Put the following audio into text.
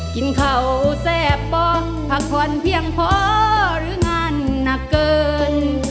เข่าแซ่บบ่อพักผ่อนเพียงพอหรืองานหนักเกิน